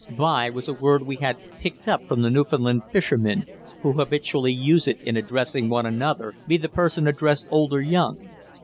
"B'y" was a word we had picked up from the Newfoundland fishermen, who habitually use it in addressing one another, be the person addressed old or young.